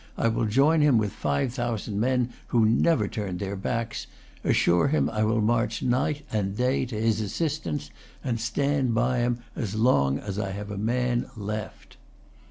I will join him with five thousand men who never turned their backs. Assure him I will march night and day to his assistance, and stand by him as long as I have a man left."